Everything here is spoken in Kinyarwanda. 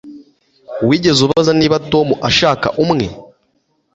Wigeze ubaza niba Tom ashaka umwe